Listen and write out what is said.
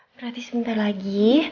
berarti sebentar lagi